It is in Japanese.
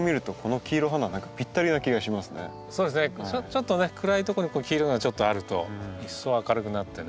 ちょっとね暗いとこにこういう黄色いのがちょっとあると一層明るくなってね